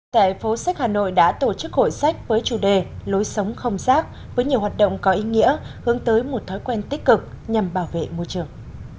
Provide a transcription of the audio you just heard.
tại phố sách hà nội đã tổ chức hội sách với chủ đề lối sống không rác với nhiều hoạt động có ý nghĩa hướng tới một thói quen tích cực nhằm bảo vệ môi trường